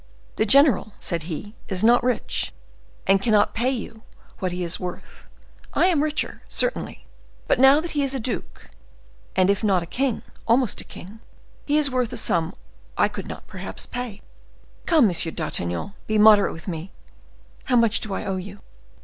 "The general," said he, "is not rich, and cannot pay you what he is worth. I am richer, certainly; but now that he is a duke, and if not a king, almost a king, he is worth a sum I could not perhaps pay. Come, M. d'Artagnan, be moderate with me; how much do I owe you?"